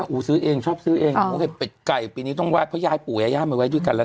โอ้โหซื้อเองชอบซื้อเองเป็ดไก่ปีนี้ต้องไห้เพราะยายปู่ยาย่ามาไว้ด้วยกันแล้ว